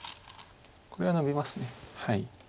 これはノビます。